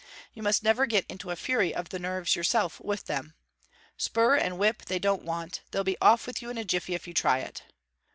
You must never get into a fury of the nerves yourself with them. Spur and whip they don't want; they'll be off with you in a jiffy if you try it.